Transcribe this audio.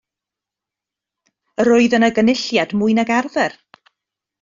Yr oedd yno gynulliad mwy nag arfer.